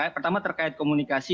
pertama terkait komunikasi